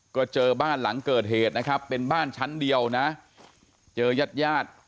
ก็เจอบ้านหลังเกิดเหตุนะครับเป็นบ้านชั้นเดียวนะเจอยาด